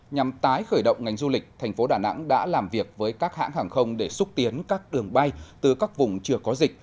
nhằm tái khởi động ngành du lịch thành phố đà nẵng đã làm việc với các hãng hàng không để xúc tiến các đường bay từ các vùng chưa có dịch